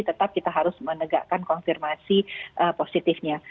tetap kita harus menegakkan konfirmasi positifnya